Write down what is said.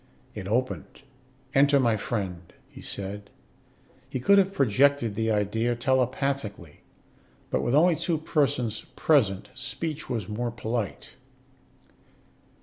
It opened. "Enter, my friend," he said. He could have projected the idea telepathically; but with only two persons present, speech was more polite.